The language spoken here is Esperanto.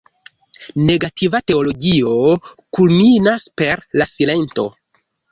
Negativa teologio kulminas per la silento.